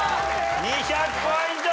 ２００ポイント！